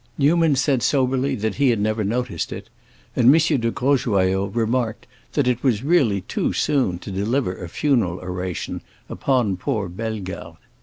Newman said soberly that he had never noticed it; and M. de Grosjoyaux remarked that it was really too soon to deliver a funeral oration upon poor Bellegarde.